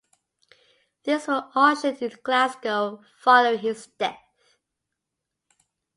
These were auctioned in Glasgow following his death.